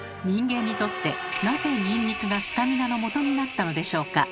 人間にとってなぜニンニクがスタミナのもとになったのでしょうか？